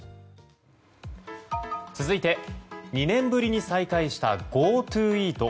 続いて、２年ぶりに再開したＧｏＴｏイート。